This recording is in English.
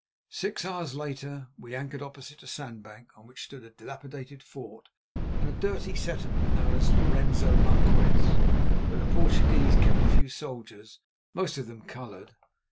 Six hours later we anchored opposite a sandbank on which stood a dilapidated fort and a dirty settlement known as Lorenzo Marquez, where the Portuguese kept a few soldiers, most of them coloured.